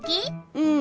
うん！